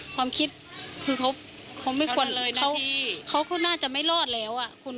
ความคิดคือเขาไม่ควรเลยเขาก็น่าจะไม่รอดแล้ว